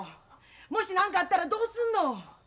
もし何かあったらどうすんの。